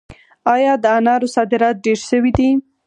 آیا د انارو صادرات ډیر شوي دي؟